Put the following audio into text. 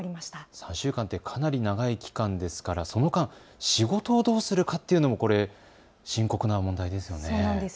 ３週間ってかなり長い期間ですから、その間、仕事をどうするかというのも深刻な問題ですよね。